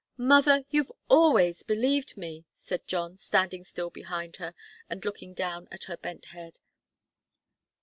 "Mother, you've always believed me," said John, standing still behind her and looking down at her bent head.